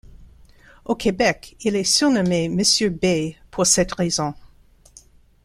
Au Québec, il est surnommé Monsieur B pour cette raison.